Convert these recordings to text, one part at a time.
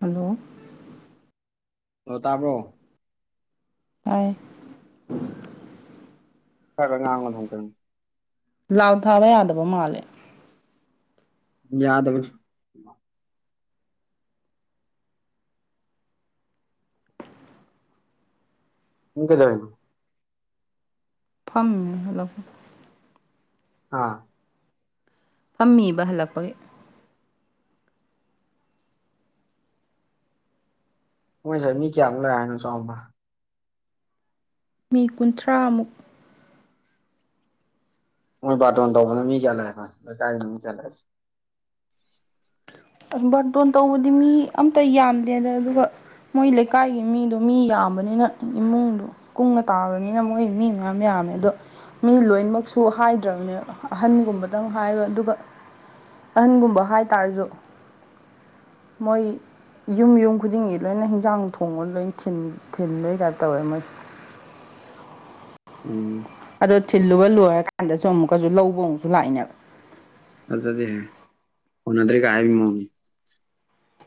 Hello ꯑꯣ ꯇꯥꯕ꯭ꯔꯣ ꯇꯥꯏ ꯈꯔꯈꯛ ꯉꯥꯡꯉ‌ꯣ ꯑꯗꯨꯝ ꯀꯩꯟ ꯂꯥꯎꯠ ꯊꯥꯕ ꯌꯥꯗꯕ ꯃꯥꯜꯂꯦ ꯌꯥꯗꯕ ꯅꯪ ꯀꯩꯗꯧꯏꯅꯣ ꯐꯝꯃꯤ ꯍꯥ ꯐꯝꯃꯤꯕ ꯍꯜꯂꯛꯄꯩ ꯃꯣꯏꯁꯦ ꯃꯤ ꯀꯌꯥꯃꯨꯛ ꯂꯥꯛꯑ‌ꯦ ꯍꯥꯏꯅ‌ꯣ ꯆꯥꯎꯕ ꯃꯤ ꯀꯨꯟꯊ꯭ꯔꯥꯃꯨꯛ ꯃꯣꯏ ꯕꯥꯔꯇꯣꯟ ꯇꯧꯕꯗ ꯃꯤ ꯀ꯭ꯌꯥ ꯂꯥꯛꯑꯦꯕ ꯂꯥꯏꯀꯥꯏ [unintelligible] ꯕꯥꯔꯗꯣꯟ ꯇꯧꯕꯗꯤ ꯃꯤ ꯑꯝꯇ ꯌꯥꯝꯗꯦꯗ ꯑꯗꯨꯒ ꯃꯣꯏ ꯂꯩꯀꯥꯏꯒꯤ ꯃꯤꯗꯣ ꯃꯤ ꯌꯥꯝꯕꯅꯤꯅ ꯏꯃꯨꯡꯗꯣ ꯀꯨꯡꯅ ꯇꯥꯕꯅꯤꯅ ꯃꯣꯏ ꯃꯤ ꯃꯌꯥꯝ ꯌꯥꯝꯃꯦ ꯑꯗꯣ ꯃꯤ ꯂꯣꯏꯅꯃꯛꯁꯨ ꯍꯥꯏꯗ꯭ꯔꯕꯅꯦꯕ ꯑꯍꯟꯒꯨꯝꯕꯗꯪ ꯍꯥꯏꯕ ꯑꯗꯨꯒ ꯑꯍꯟꯒꯨꯝꯕ ꯍꯥꯏꯇꯥꯔꯁꯨ ꯃꯣꯏ ꯌꯨꯝ ꯌꯨꯝ ꯈꯨꯗꯤꯡꯒꯤ ꯂꯣꯏꯅ ꯍꯤꯟꯖꯥꯡ ꯊꯣꯡꯉ ꯂꯣꯏ ꯊꯤꯟ ꯊꯤꯟꯕꯩ ꯇꯥꯏꯞ ꯇꯧꯋ‌ꯦ ꯃꯣꯏꯁꯦ ꯎꯝ ꯑꯗꯣ ꯊꯤꯜꯂꯨꯒ ꯂꯣꯏꯔꯀꯥꯟꯗꯁꯨ ꯑꯃꯨꯛꯀꯁꯨ ꯂꯧꯕ ꯑꯃꯨꯛꯁꯨ ꯂꯥꯛꯏꯅ‌ꯦ ꯐꯖꯗ‌ꯦꯍ‌ꯦ ꯀꯣꯟꯅꯗ꯭ꯔꯦ ꯀ ꯍꯥꯏꯕꯩ ꯃꯋ‌ꯣꯡꯅꯤ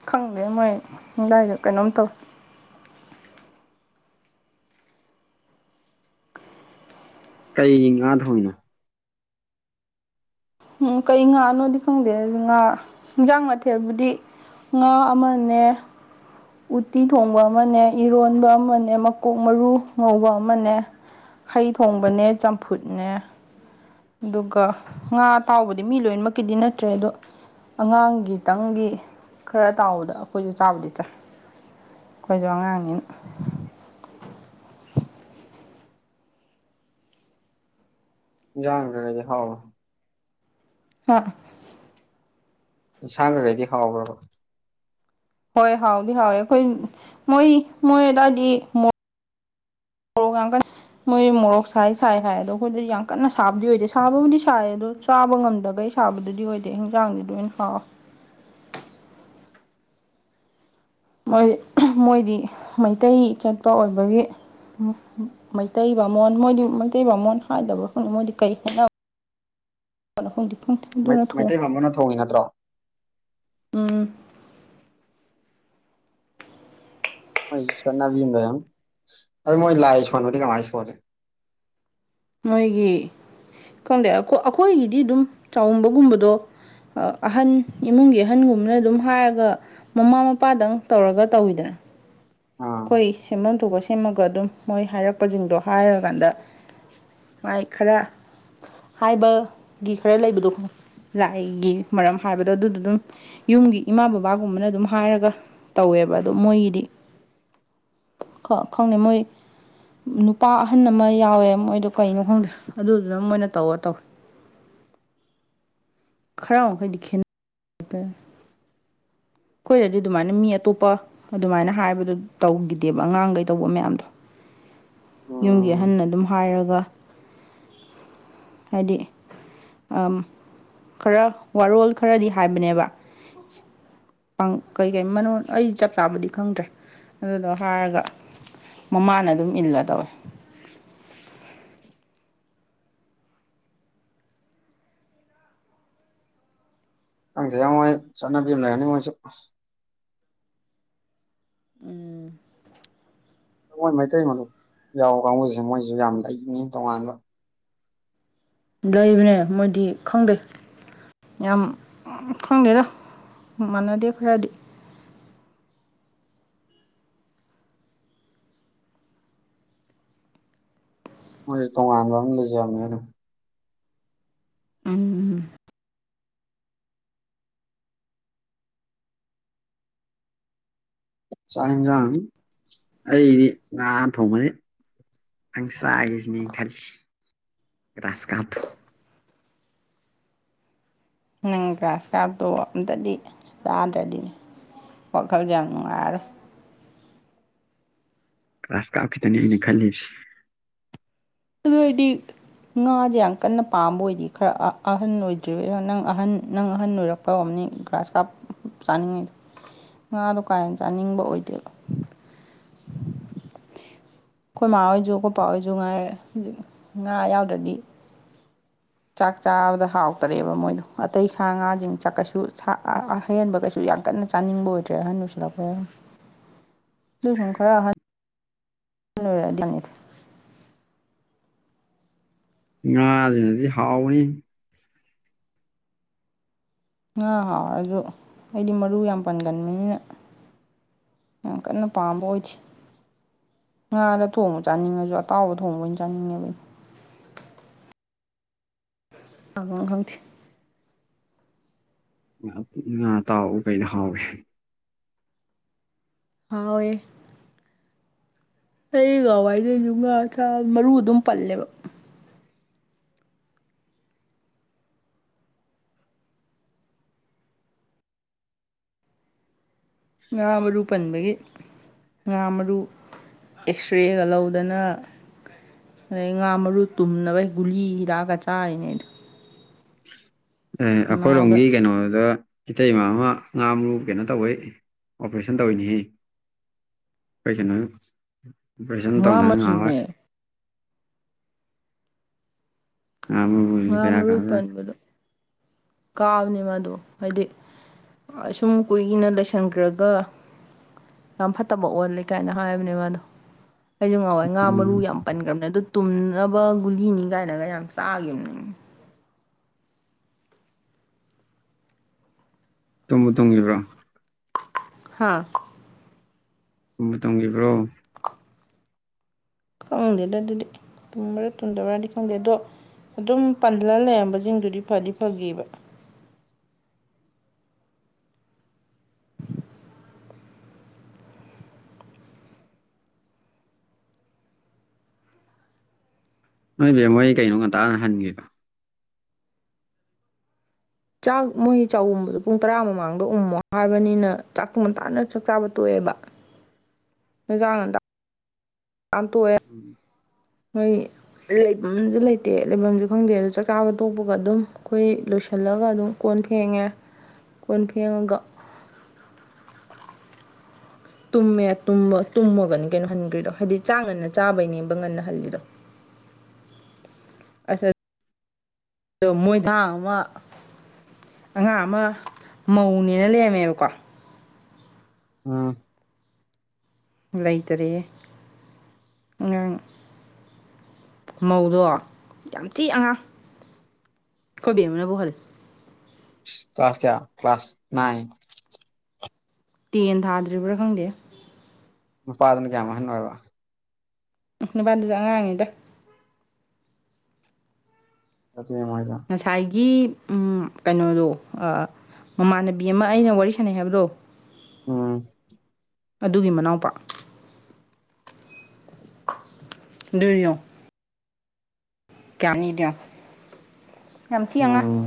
ꯈꯪꯗꯦ ꯃꯣꯏ ꯑꯗꯥꯏꯗ‌ꯣ ꯀꯩꯅꯣꯝ ꯇꯧꯋꯦ ꯀꯩ ꯉꯥ ꯊꯣꯡꯉꯤꯅꯣ ꯎꯝ ꯀꯩ ꯉꯥꯅꯣꯗꯤ ꯈꯪꯗꯦ ꯉꯥ ꯌꯦꯟꯖꯥꯡ ꯃꯊꯦꯜꯕꯨꯗꯤ ꯉꯥ ꯑꯃꯅꯦ ꯎꯇꯤ ꯊꯣꯡꯕ ꯑꯃꯅꯦ ꯏꯔꯣꯟꯕ ꯑꯃꯅꯦ ꯃꯀꯣꯛ ꯃꯔꯨ ꯉꯧꯕ ꯑꯃꯅꯦ ꯍꯩ ꯊꯣꯡꯕꯅꯦ ꯆꯝꯐꯨꯠꯅꯦ ꯑꯗꯨꯒ ꯉꯥ ꯑꯇꯥꯎꯕꯗꯤ ꯃꯤ ꯂꯣꯏꯅꯃꯛꯀꯤꯗꯤ ꯅꯠꯇ꯭ꯔꯦ ꯑꯗꯣ ꯑꯉꯥꯡꯒꯤꯇꯪꯒꯤ ꯈꯔ ꯇꯥꯎꯕꯗ ꯑꯩꯈꯣꯏꯁꯨ ꯆꯥꯕꯨꯗꯤ ꯆꯥꯏ ꯑꯩꯈꯣꯏꯁꯨ ꯑꯉꯥꯡꯅꯤꯟ ꯏꯟꯖꯥꯡꯒꯗꯤ ꯍꯥꯎꯔ‌ꯣ ꯍꯥ ꯏꯟꯁꯥꯡ ꯀꯈꯩꯗꯤ ꯍꯥꯎꯕ꯭ꯔꯕ ꯍꯣꯏ ꯍꯥꯎꯗꯤ ꯍꯥꯎꯋꯦ ꯑꯩꯈꯣꯏ ꯃꯣꯏ ꯃꯣꯏ ꯑꯗꯥꯏꯗꯤ ꯃ‌ꯣ ꯔ‌ꯣꯛ ꯌꯥꯝ ꯀꯟ ꯃꯣꯏ ꯃꯣꯔꯣꯛ ꯁꯥꯏ ꯁꯥꯏ ꯍꯥꯏ ꯑꯗꯣ ꯑꯩꯈꯣꯏꯗꯤ ꯌꯥꯝ ꯀꯟꯅ ꯁꯥꯕꯗꯤ ꯑꯣꯏꯗꯦ ꯁꯥꯕꯕꯨꯗꯤ ꯁꯥꯏ ꯑꯗꯣ ꯆꯥꯕ ꯉꯝꯗꯒꯩ ꯁꯥꯕꯗꯨꯗꯤ ꯑꯣꯏꯗꯦ ꯍꯤꯟꯖꯥꯡꯗꯤ ꯂꯣꯏꯅ ꯍꯥꯎ ꯃꯣꯏ ꯃꯣꯏꯗꯤ ꯃꯩꯇꯩ ꯆꯠꯄ ꯑꯣꯏꯕꯒꯤ ꯃꯩꯇꯩ ꯕꯥꯃꯣꯟ ꯃꯣꯏꯗꯤ ꯃꯩꯇꯩ ꯕꯥꯃꯣꯟ ꯍꯥꯏꯗꯕ ꯃꯣꯏꯗꯤ ꯀꯔꯤ ꯍꯣꯠꯅꯕ꯫ ꯅ ꯐꯣꯡꯗꯤ ꯐꯪꯇꯗꯨꯅ ꯊꯣꯛꯣꯡꯑꯣ꯫ ꯅ ꯊꯣꯡꯉꯤ ꯅꯠꯇ꯭ꯔꯣ꯫ ꯎꯝ ꯃꯣꯏ ꯆꯕꯤ ꯑꯃꯥ ꯂꯥꯏꯔꯝꯅꯤ ꯑꯗꯣ ꯅꯣꯏ ꯂꯥꯏ ꯁꯣꯟꯕꯗꯤ ꯀꯑꯃꯥꯏ ꯁꯣꯜꯂꯤ꯫ ꯃꯣꯏꯒꯤ ꯈꯪꯗꯦ ꯑꯩꯈꯣꯏꯒꯤꯗꯤ ꯑꯗꯨꯝ ꯆꯥꯎꯕꯒꯨꯝꯕꯗꯣ꯫ ꯑꯍꯟ ꯏꯃꯨꯡꯒꯤ ꯑꯍꯟꯒꯨꯝꯕꯅ ꯑꯗꯨꯝ ꯍꯥꯏꯔꯒ ꯃꯃꯥ ꯃꯄꯥꯗꯪ ꯇꯧꯔꯒ ꯇꯧꯋꯤꯗꯅ ꯑ ꯑꯩꯈꯣꯏ ꯁꯦꯝꯐꯝ ꯊꯣꯛꯄ ꯁꯦꯝꯃꯒ ꯑꯗꯨꯝ ꯃꯣꯏ ꯍꯥꯏꯔꯛꯄꯁꯤꯡꯗꯣ ꯍꯥꯏꯔꯀꯥꯟꯗ ꯃꯥꯏ ꯈꯔ ꯍꯥꯏꯕꯒꯤ ꯈꯔ ꯂꯩꯕꯗꯣꯣ ꯂꯥꯏꯒꯤ ꯃꯔꯝ ꯍꯥꯏꯕꯗꯣ ꯑꯗꯨꯗ ꯑꯗꯨꯝ꯫ ꯌꯨꯝꯒꯤ ꯏꯃꯥ ꯕꯕꯥꯒꯨꯝꯕꯅ ꯑꯗꯨꯝ ꯍꯥꯏꯔꯒ ꯇꯧꯋꯦꯕ ꯑꯗꯨꯣ ꯃꯣꯏꯒꯤꯗꯤ꯫ ꯈ ꯈꯪꯅꯦ ꯃꯣꯏ ꯅꯨꯄꯥ ꯑꯍꯟ ꯑꯃ ꯌꯥꯎꯋꯦ ꯃꯣꯏꯗꯣ ꯀꯩꯅꯣ ꯈꯪꯗꯦ ꯑꯗꯨꯗꯨꯅ ꯃꯣꯏꯅ ꯇꯧꯔ ꯇꯧꯋꯦ꯫ ꯈꯔ ꯃꯈꯩꯗꯤ ꯈꯦꯅꯔꯦ ꯑꯩꯈꯣꯏꯗꯗꯤ ꯑꯗꯨꯃꯥꯏꯅ ꯃꯤ ꯑꯇꯣꯞꯄ ꯑꯗꯨꯃꯥꯏꯅ ꯍꯥꯏꯕꯗꯨ ꯇꯧꯈꯤꯗꯦꯕ ꯑꯉꯥꯡꯈꯩ ꯇꯧꯕ ꯃꯌꯥꯝꯗꯣ ꯌꯨꯝꯒꯤ ꯎꯝ ꯑꯍꯟꯅ ꯑꯗꯨꯝ ꯍꯥꯏꯔꯒ ꯍꯥꯏꯗꯤ ꯑ ꯈꯔ ꯋꯥꯔꯣꯜ ꯈꯔꯗꯤ ꯍꯥꯏꯕꯅꯦꯕ꯫ ꯀꯩ ꯀꯩꯣꯟ ꯑꯩ ꯆꯞ ꯆꯥꯕꯗꯤ ꯈꯪꯗ꯭ꯔꯦ ꯑꯗꯨꯗꯣ ꯍꯥꯏꯔꯒ ꯃꯃꯥꯅ ꯑꯗꯨꯝ ꯏꯜꯂ ꯇꯧꯏꯦ꯫ ꯅꯪꯗ ꯌꯥꯝꯉꯥꯏ ꯆꯠꯅꯕꯤ ꯑꯃ ꯂꯩ ꯍꯥꯏꯅꯤꯡꯉꯥꯏꯁꯨ꯫ ꯎꯝ ꯃꯣꯏ ꯃꯩꯇꯩ ꯃꯨꯞ ꯌꯥꯎꯕ ꯀꯥꯡꯕꯨꯁꯦ ꯃꯣꯏꯁꯨ ꯌꯥꯝ ꯂꯩꯉꯤ ꯇꯣꯉꯥꯟꯕ꯫ ꯂꯩꯕꯅꯦ ꯃꯣꯏꯗꯤ ꯈꯪꯗꯦ꯫ ꯌꯥꯝ ꯈꯪꯗꯦꯔꯣ ꯃꯥꯟꯅꯗꯦ ꯈꯔꯗꯤ꯫ ꯃꯣꯏꯁꯨꯦ ꯇꯣꯉꯥꯟꯕ ꯑꯃ ꯂꯩꯖꯕꯃꯦ ꯑꯗꯨꯝ ꯑꯝ ꯆꯥꯛ ꯌꯦꯟꯁꯥꯡ ꯑꯩꯗꯤ ꯉꯥ ꯊꯣꯡꯕꯅꯤ꯫ ꯍꯪꯁꯁꯅꯤ ꯈ ꯔꯥꯁꯒꯠꯇꯑꯣ꯫ ꯅꯪ ꯒ꯭ꯔꯥꯁ ꯀꯥꯞꯇꯣ ꯑꯝꯇꯗꯤ ꯆꯥꯗ꯭ꯔꯗꯤꯅꯦ ꯋꯥꯈꯜꯁꯦ ꯌꯥꯝ ꯅꯨꯡꯉꯥꯏꯔꯣꯏ꯫ ꯀ꯭ꯂꯥꯁ ꯀꯥꯐꯤ ꯇꯅꯤꯅꯤ ꯈꯜꯂꯤꯁꯤ꯫ ꯑꯗꯨꯣꯏꯗꯤ꯫ ꯉꯥꯁꯦ ꯌꯥꯝ ꯀꯟꯅ ꯄꯥꯝꯕ ꯑꯣꯏꯗꯤ ꯈꯔ ꯑꯍꯟ ꯑꯣꯏꯗ꯭ꯔꯤꯕ ꯅꯪ ꯑꯍꯟ ꯅꯪ ꯑꯍꯟ ꯑꯣꯏꯔꯛꯄ ꯑ ꯐꯧꯝ ꯒ꯭ꯔꯥꯁ ꯀꯥꯞ ꯆꯥꯅꯤꯡꯉꯩꯗꯣ ꯉꯥꯗꯣ ꯀꯥ ꯍꯦ ꯆꯥꯅꯤꯡꯕ ꯑꯣꯏꯗꯦꯕ ꯑꯩꯈꯣꯏ ꯏꯃꯥ ꯑꯣꯏꯁꯨ ꯑꯩꯈꯣꯏ ꯏꯄꯥ ꯑꯣꯏꯁꯨ ꯉꯥꯏꯔꯦ ꯉꯥ ꯌꯥꯎꯗ꯭ꯔꯗꯤ꯫ ꯆꯥꯛ ꯆꯥꯕꯗ ꯍꯥꯎꯇꯔꯦꯕ ꯃꯣꯏꯗꯣ ꯑꯇꯩ ꯁꯥ ꯉꯥꯁꯤꯡ ꯆꯥꯛꯀꯩꯁꯨ ꯑꯍꯦꯟꯕ ꯀꯩꯁꯨ ꯌꯥꯝ ꯀꯟꯅ ꯆꯥꯅꯤꯡꯕ ꯑꯣꯏꯗ꯭ꯔꯦ ꯑꯍꯟ ꯂꯁꯤꯂꯄꯦꯁ ꯈꯔ ꯑꯍꯟ [unintelligible] ꯉꯥꯁꯤꯅꯗꯤ ꯍꯥꯎꯅꯤ꯫ ꯉꯥ ꯍꯥꯎꯁꯨ ꯑꯩꯗꯤ ꯃꯔꯨ ꯌꯥꯝ ꯄꯟꯒꯟꯕꯅꯤꯅ ꯌꯥꯝ ꯀꯟꯅ ꯄꯥꯝꯕ ꯑꯣꯏꯗꯦ꯫ ꯉꯥꯗ ꯊꯣꯡꯕ ꯆꯥꯅꯤꯡꯉꯁꯨ ꯑꯇꯥꯎꯕ ꯊꯣꯡꯕ ꯑꯣꯏꯅ ꯆꯥꯅꯤꯡꯉꯦꯕ꯫ ꯑ ꯈꯪꯗꯦ꯫ ꯉ ꯉꯥ ꯇꯥꯎꯕꯨ ꯀꯩ ꯍꯥꯎꯋꯦ꯫ ꯍꯥꯎꯋꯦ꯫ ꯑꯩꯋꯥꯏꯗꯩ ꯌꯖꯨꯡꯒꯥ ꯆꯥꯛ ꯃꯔꯨ ꯑꯗꯨꯝ ꯄꯜꯂꯦꯕ꯫ ꯉꯥ ꯃꯔꯨ ꯄꯟꯕꯒꯤ꯫ ꯉꯥ ꯃꯔꯨ ꯑꯦꯛꯁꯔꯦꯒ ꯂꯧꯗꯅ꯫ ꯑꯗꯩ ꯉꯥ ꯃꯔꯨ ꯇꯨꯝꯅꯕꯩ ꯒꯨꯂꯤ ꯍꯤꯗꯥꯛꯀ ꯆꯥꯔꯤꯅꯦ‌ ꯑꯩ ꯑꯦ ꯈꯅꯥꯎꯗ ꯑꯩꯈꯣꯏꯔꯣꯝꯒꯤ ꯀꯩꯅꯣꯗ ꯏꯇꯩꯃ ꯑꯃ ꯉꯥ ꯃꯔꯨ ꯀꯩꯅꯣ ꯇꯧꯕꯩ ꯑꯣꯄꯔꯦꯁꯟ ꯇꯧꯔꯤꯅ‌ꯦꯍ‌ꯦ ꯑꯩꯈꯣꯏ ꯀꯩꯅꯣ ꯑꯣꯄꯔꯦꯁꯟ ꯉꯥ ꯇꯧꯗꯅ ꯅꯍꯟꯋꯥꯏ ꯊꯤꯕꯅꯦ ꯉꯥ ꯃꯔꯨꯁꯦ ꯉꯥ ꯕꯦꯔꯥ ꯀꯕꯥ ꯖꯥꯠꯅꯦ ꯄꯟꯕꯗꯣ ꯀꯥꯕꯅꯦ ꯃꯥꯗꯣ ꯍꯥꯏꯗꯤ ꯁꯨꯝ ꯀꯨꯏꯅ ꯂꯩꯁꯟꯈ꯭ꯔꯒ ꯌꯥꯝ ꯐꯠꯇꯕ ꯑꯣꯜꯂꯦ ꯀꯥꯏꯅ ꯍꯥꯏꯕꯅꯦ ꯃꯥꯗꯣ ꯑꯩꯁꯨ ꯅꯍꯟꯋꯥꯏ ꯉꯥ ꯃꯔꯨ ꯎꯝ ꯌꯥꯝ ꯄꯟꯈ꯭ꯔꯕꯅꯦ ꯑꯗꯨ ꯇꯨꯝꯅꯕ ꯒꯨꯂꯤꯅꯤ ꯀꯥꯏꯅꯒ ꯌꯥꯝ ꯆꯥꯈꯤꯕꯅꯦ ꯇꯨꯝꯕꯨ ꯇꯨꯝꯒꯤꯕ꯭ꯔꯣ ꯍꯥꯥ ꯇꯨꯝꯕꯨ ꯇꯨꯝꯒꯤꯕ꯭ꯔꯣ ꯈꯪꯗꯦꯗ ꯑꯗꯨꯗꯤ ꯇꯨꯝꯕ꯭ꯔꯥ ꯇꯨꯝꯗꯕ꯭ꯔꯗꯤ ꯈꯪꯗꯦ ꯑꯗꯣ ꯑꯗꯨꯝ ꯄꯜꯂꯒ ꯂꯩꯔꯝꯕꯁꯤꯡꯗꯨꯗꯤ ꯐꯗꯤ ꯐꯒꯤꯕ ꯅꯣꯏ ꯕꯦꯝꯃ ꯈ‌ꯣꯏ ꯀꯩꯅꯣ ꯉꯟꯇꯥꯅ ꯍꯟꯒꯔꯤꯗꯤ ꯆꯥꯛ ꯃꯣꯏ ꯆꯥꯛꯎꯝꯕꯗꯣ ꯄꯨꯡ ꯇꯔꯥ ꯃꯃꯥꯡꯗ ꯎꯝꯃꯣ ꯍꯥꯏꯕꯅꯤꯅ ꯆꯥꯛ ꯇꯨ ꯉꯟꯇꯥꯥꯅ ꯆꯥꯛ ꯆꯥꯕ ꯇꯣꯛꯑꯦꯕ [unintelligible] [unintelligible] ꯎꯝ ꯃꯣꯏ ꯂꯩꯐꯝꯁꯨ ꯂꯩꯇꯦ ꯂꯩꯐꯝꯁꯨ ꯈꯪꯗꯦ ꯑꯗꯨꯗ ꯆꯥꯛ ꯆꯥꯕ ꯇꯣꯛꯄꯒ ꯑꯗꯨꯝ ꯑꯩꯈꯣꯏ ꯂꯣꯏꯁꯤꯜꯂꯒ ꯑꯗꯨꯝ ꯀꯣꯟ ꯐꯦꯡꯉꯦ ꯀꯣꯟ ꯐꯦꯡꯉꯒ ꯇꯨꯝꯃꯦ ꯇꯨꯝꯃ ꯇꯨꯝꯃꯒꯅꯤ ꯀꯩꯅꯣ ꯍꯟꯈ꯭ꯔꯤꯗꯣ ꯍꯥꯏꯗꯤ ꯆꯥꯛ ꯉꯟꯅ ꯆꯥꯕꯩꯅꯦꯕ ꯉꯟꯅ ꯍꯜꯂꯤꯗꯣ ꯑꯁ [unintelligible] ꯑꯉꯥꯡ ꯑꯃ ꯃꯧꯅꯦꯅ ꯂꯩꯔꯝꯃꯦꯕꯀꯣ ꯑ ꯂꯩꯇꯔꯦꯍ‌ꯦ ꯑꯉꯥꯡ ꯃꯧꯗꯣ ꯌꯥꯝ ꯊꯤ ꯑꯉꯥꯡ ꯑꯩꯈꯣꯏ ꯕꯦꯝꯃꯥꯅꯕꯨ ꯍꯜꯂꯦ ꯀ꯭ꯂꯥꯁ ꯀꯌꯥ ꯀ꯭ꯂꯥꯁ ꯅꯥꯏꯟ ꯇꯦꯟ ꯊꯥꯗ꯭ꯔꯤꯕ꯭ꯔꯥ ꯈꯪꯗꯦ ꯅꯨꯄꯥꯗꯨꯅ ꯀꯌꯥꯝ ꯑꯍꯟ ꯑꯣꯏꯔꯕ ꯅꯨꯄꯥꯗꯨꯖꯨ ꯑꯉꯥꯡꯅꯤꯗ ꯐꯖꯩꯌ‌ꯦ ꯃꯣꯏꯅ ꯉꯁꯥꯏꯒꯤ ꯎꯝ ꯀꯩꯅꯣꯗꯣ ꯑꯥ ꯃꯃꯥꯟꯅꯕꯤ ꯑꯃ ꯑꯩꯅ ꯋꯥꯔꯤ ꯁꯥꯟꯅꯩ ꯍꯥꯏꯕꯗꯣ ꯎꯝ ꯑꯗꯨꯒꯤ ꯃꯅꯥꯎꯄꯥ ꯑꯗꯨꯗꯤ ꯌꯦꯡꯉꯣ [unintelligible] ꯌꯥꯝꯊꯤ ꯑꯉꯥꯡ ꯎꯝ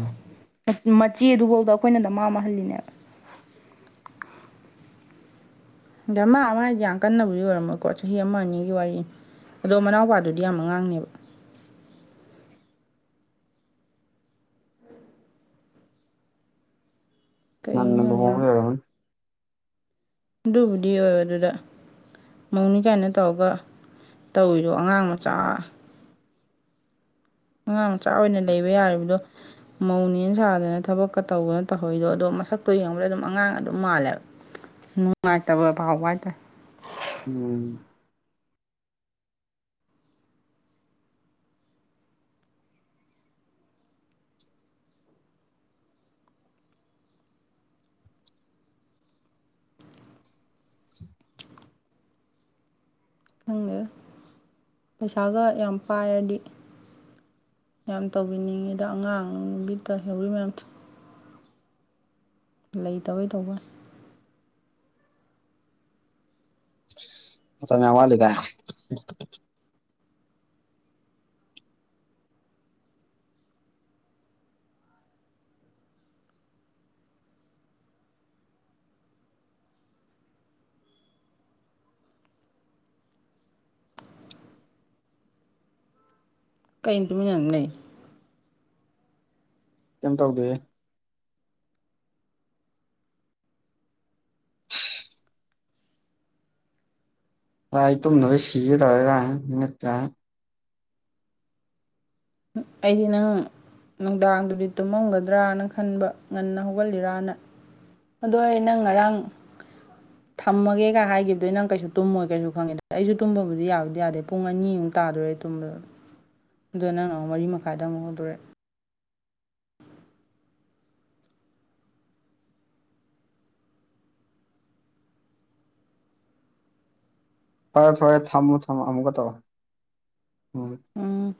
ꯃꯆꯦꯗꯨꯐꯥꯎꯗ ꯑꯩꯈꯣꯏꯅ ꯗꯃꯥ ꯑꯃ ꯍꯜꯂꯤꯅꯦꯕ ꯗꯥꯃ ꯑꯃ ꯍꯥꯏꯗꯤ ꯌꯥꯝ ꯀꯟꯅꯕꯨꯗꯤ ꯑꯣꯏꯔꯝꯃꯣꯏꯀꯣ ꯆꯍꯤ ꯑꯃ ꯑꯅꯤꯒꯤ ꯋꯥꯔꯤꯅꯤ ꯑꯗꯣ ꯃꯅꯥꯎꯄꯥꯗꯨꯗꯤ ꯌꯥꯝ ꯑꯉꯥꯡꯅꯦꯕ ꯀꯩꯒꯤꯅꯣ ꯉꯟꯅꯥ ꯈꯪꯗꯦ ꯌꯥꯝ ꯂꯨꯍꯣꯡꯕꯩ ꯑꯣꯏꯔꯝꯅꯤ ꯑꯗꯨꯕꯨꯗꯤ ꯑꯣꯏ ꯑꯗꯨꯗ ꯃꯧꯅꯤ ꯀꯥꯏꯅ ꯇꯧꯔꯒ ꯇꯧꯔꯤꯗꯣ ꯑꯉꯥꯡ ꯃꯆꯥ ꯑꯉꯥꯡ ꯃꯆꯥ ꯑꯣꯏꯅ ꯂꯩꯕ ꯌꯥꯔꯤꯕꯗꯣ ꯃꯧꯅꯦ ꯁꯥꯗꯅ ꯊꯕꯛꯀ ꯇꯧꯗꯅ ꯇꯧꯍꯩꯗꯣ ꯑꯗꯣ ꯃꯁꯛꯇꯣ ꯌꯦꯡꯕꯗ ꯑꯗꯨꯝ ꯑꯉꯥꯡ ꯑꯗꯨꯝ ꯃꯥꯜꯂꯦꯕ ꯅꯨꯡꯉꯥꯏ ꯇꯕ ꯐꯥꯎꯕ ꯎꯝ ꯈꯪꯗꯦꯗ ꯄꯩꯁꯥꯒ ꯌꯥꯝ ꯄꯥꯏꯔꯗꯤ ꯌꯥꯝ ꯇꯧꯕꯤꯅꯤꯡꯉꯤꯗ ꯑꯉꯥꯡ ꯕ‌ꯤꯠꯇ ꯂꯩꯍꯧꯔꯤ ꯃꯌꯥꯝꯗ‌ꯣ ꯂꯩꯇꯕꯩ ꯇꯧꯕꯩ ꯋꯥꯅꯤ ꯑꯋꯥ ꯂꯩꯒ ꯀꯩ ꯏꯇꯃꯤꯅꯤ ꯂꯩ ꯀꯩꯝ ꯇꯧꯗꯣꯏꯏ ꯑꯩ ꯇꯨꯝꯗꯅꯕ ꯁꯤꯔꯒꯠꯇ ꯑꯩꯗꯤ ꯅꯪ ꯅꯨꯡꯗꯥꯡꯗꯨꯗꯤ ꯇꯨꯝꯃꯝꯒꯗ꯭ꯔꯅ ꯈꯟꯕ ꯉꯟꯅ ꯍꯧꯒꯂꯤꯔꯅ ꯑꯗꯣ ꯑꯩꯅ ꯉꯔꯥꯡ ꯊꯝꯃꯒꯦꯒ ꯍꯥꯏꯈꯤꯕꯗꯣ ꯅꯪ ꯀꯩꯁꯨ ꯇꯨꯝꯃꯣꯏ ꯀꯩꯁꯨ ꯈꯪꯉꯦ ꯑꯩꯁꯨ ꯇꯨꯝꯕꯕꯨꯗꯤ ꯌꯥꯕꯗꯤ ꯌꯥꯗꯦ ꯄꯨꯡ ꯑꯅꯤꯃꯨꯛ ꯇꯥꯗꯣꯔꯦ ꯇꯨꯝꯅ ꯑꯗꯣ ꯅꯪꯅ ꯑꯃꯨꯛ ꯃꯔꯤ ꯃꯈꯥꯏꯗ ꯑꯃꯨꯛ ꯍꯧꯗꯣꯔꯦ ꯐꯔꯦ ꯐꯔꯦ ꯊꯝꯃꯣ ꯊꯝꯃꯣ ꯑꯃꯨꯛꯀ ꯇꯧꯔꯣ ꯎꯝ ꯎꯝ